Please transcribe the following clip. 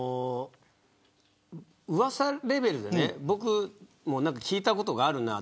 うわさレベルで僕も聞いたことがあるなと。